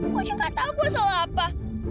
gue aja gak tau gue salah apa